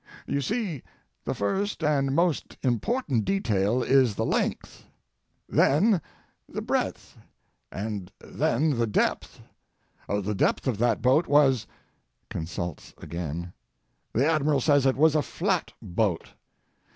You see, the first and most important detail is the length, then the breadth, and then the depth; the depth of that boat was [consults again]—the Admiral says it was a flat boat.